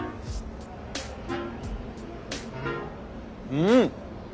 うん！